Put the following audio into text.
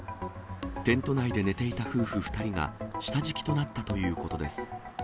テント内で寝ていた夫婦２人が、下敷きとなったということです。